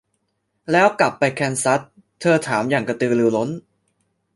แล้วกลับไปแคนซัส ? เธอถามอย่างกระตือรือร้น